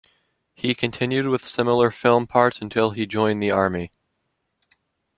He continued with similar film parts until he joined the army.